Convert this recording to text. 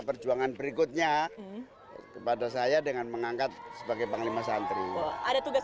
perjuangan berikutnya kepada saya dengan mengangkat sebagai panglima santri ada tugas